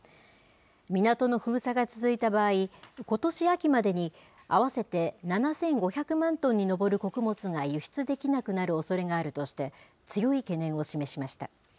港の封鎖が続いた場合、ことし秋までに合わせて７５００万トンに上る穀物が輸出できなくなるおそれがあるとして、強い懸念を示しました。